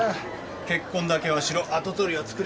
結婚だけはしろ跡取りを作れ。